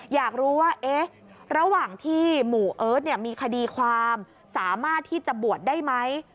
อยากรู้ว่าระหว่างที่หมู่เอิร์ทมีคดีความสามารถที่จะบวชได้ไหม